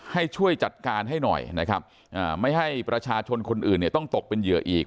ให้ช่วยจัดการให้หน่อยนะครับไม่ให้ประชาชนคนอื่นเนี่ยต้องตกเป็นเหยื่ออีก